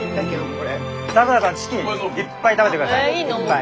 咲良さんチキンいっぱい食べてください。